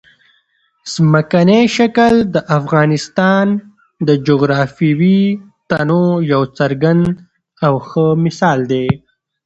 ځمکنی شکل د افغانستان د جغرافیوي تنوع یو څرګند او ښه مثال دی.